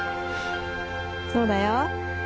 そうだよ。